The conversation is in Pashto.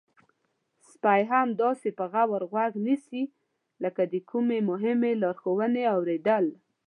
سپی مې داسې په غور غوږ نیسي لکه د کومې مهمې لارښوونې اوریدل.